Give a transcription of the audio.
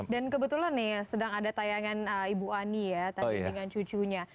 dan kebetulan nih sedang ada tayangan ibu ani ya tadi dengan cucunya